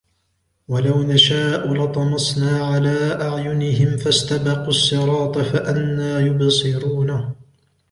وَلَوْ نَشَاءُ لَطَمَسْنَا عَلَى أَعْيُنِهِمْ فَاسْتَبَقُوا الصِّرَاطَ فَأَنَّى يُبْصِرُونَ